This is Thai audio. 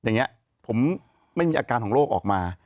อย่างนี้ผมไม่มีอาการของโรคออกมา